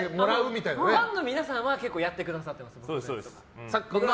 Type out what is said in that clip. ファンの皆さんは結構やってくださってます。